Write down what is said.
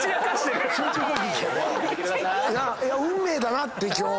運命だなって今日。